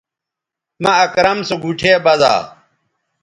مہ اکرم سو گوٹھے بزا